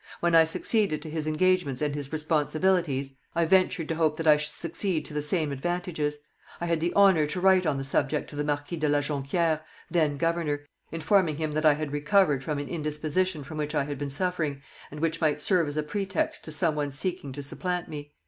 When I succeeded to his engagements and his responsibilities, I ventured to hope that I should succeed to the same advantages. I had the honour to write on the subject to the Marquis de la Jonquière [then governor], informing him that I had recovered from an indisposition from which I had been suffering, and which might serve as a pretext to some one seeking to supplant me.